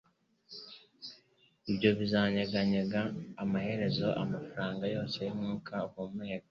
Ibyo bizanyeganyega amaherezo amafaranga yose yumwuka uhumeka